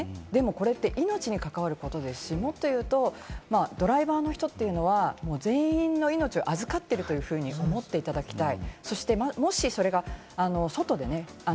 でも、これは命に関わることですし、もっと言うと、ドライバーの人は全員の命を預かっていると思っていただきたい。